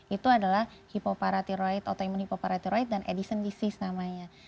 itu adalah hipoparathyroid autoimun hipoparathyroid dan edison disease namanya